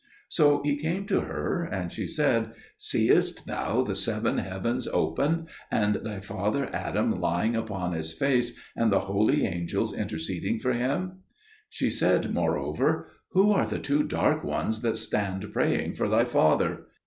So he came to her, and she said, "Seest thou the seven heavens open, and thy father Adam lying upon his face and the holy angels interceding for him?" She said, moreover, "Who are the two dark ones that stand praying for thy father?"